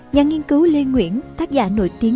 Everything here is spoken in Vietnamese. nhà nghiên cứu lê nguyễn tác giả nổi tiếng